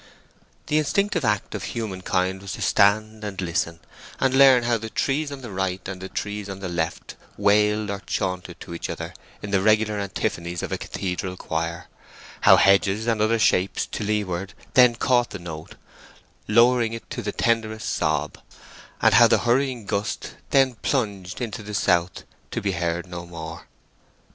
The instinctive act of humankind was to stand and listen, and learn how the trees on the right and the trees on the left wailed or chaunted to each other in the regular antiphonies of a cathedral choir; how hedges and other shapes to leeward then caught the note, lowering it to the tenderest sob; and how the hurrying gust then plunged into the south, to be heard no more.